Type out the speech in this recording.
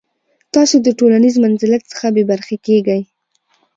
تاسو د ټولنیز منزلت څخه بې برخې کیږئ.